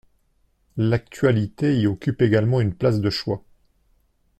L'actualité y occupe également une place de choix.